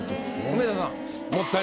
梅沢さん。